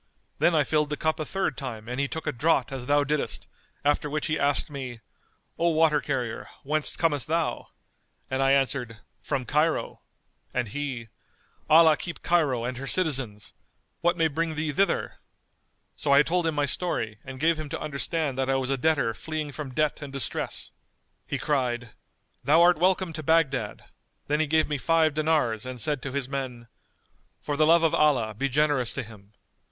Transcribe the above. Then I filled the cup a third time and he took a draught as thou diddest; after which he asked me, 'O water carrier, whence comest thou?' And I answered, 'From Cairo,' and he, 'Allah keep Cairo and her citizens! What may bring thee thither?' So I told him my story and gave him to understand that I was a debtor fleeing from debt and distress. He cried, 'Thou art welcome to Baghdad'; then he gave me five dinars and said to his men, 'For the love of Allah be generous to him.